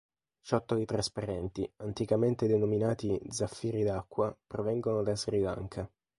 Ciottoli trasparenti, anticamente denominati 'zaffiri d'acqua', provengono da Sri Lanka.